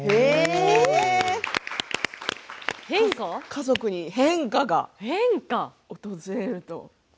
家族に変化が訪れると。